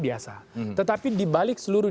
biasa tetapi di balik seluruh